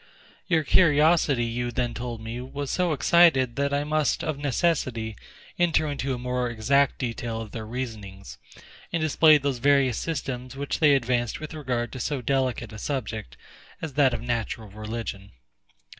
Your curiosity, you then told me, was so excited, that I must, of necessity, enter into a more exact detail of their reasonings, and display those various systems which they advanced with regard to so delicate a subject as that of natural religion.